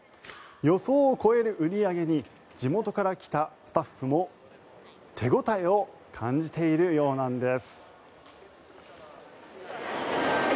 予想を超える売り上げに地元から来たスタッフも手応えを感じているようなんです。